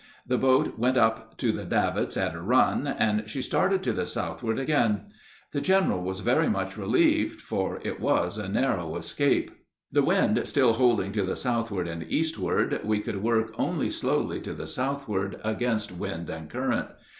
The boat went up to the davits at a run, and she started to the southward again. The general was very much relieved, for it was a narrow escape. [Illustration: THROUGH A SHALLOW LAGOON.] The wind still holding to the southward and eastward, we could work only slowly to the southward, against wind and current.